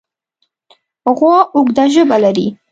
غوا اوږده ژبه لري.